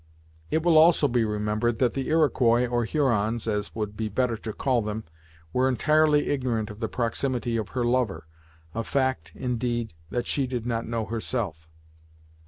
It will also be remembered that the Iroquois, or Hurons, as it would be better to call them, were entirely ignorant of the proximity of her lover, a fact, indeed, that she did not know herself.